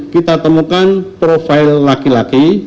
kita temukan profil laki laki